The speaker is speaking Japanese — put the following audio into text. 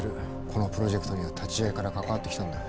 このプロジェクトには立ち上げから関わってきたんだ。